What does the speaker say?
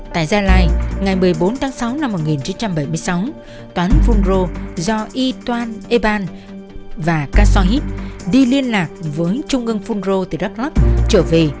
tại gia lai ngày một mươi bốn tháng sáu năm một nghìn chín trăm bảy mươi sáu toán fonro do y toan e ban và ca so hít đi liên lạc với trung ngân fonro từ đắk lắk trở về